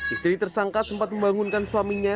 istri tersangka sempat membangunkan suaminya